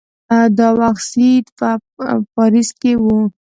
دا وخت سید په پاریس کې وو.